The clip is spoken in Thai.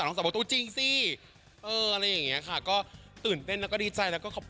โอเคอ่ะ